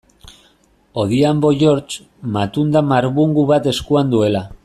Odhiambo George, matunda marbungu bat eskuan duela.